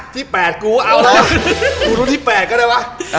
ที่๘กูเอาแล้ว